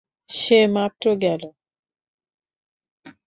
সে মাত্র গেলো।